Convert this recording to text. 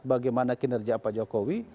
bagaimana kinerja pak jokowi